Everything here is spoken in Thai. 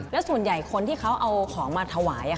แล้วส่วนใหญ่คนที่เขาเอาของมาถวาย